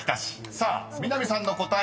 ［さあ南さんの答え